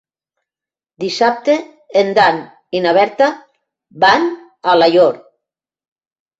Dissabte en Dan i na Berta van a Alaior.